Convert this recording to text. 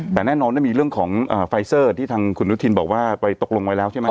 แต่แน่นอนมีเรื่องของไฟเซอร์ที่ทางคุณอนุทินบอกว่าไปตกลงไว้แล้วใช่ไหม